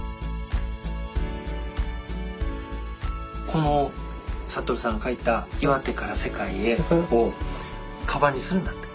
この覚さんが書いた「岩手から世界へ！」をカバンにするんだって。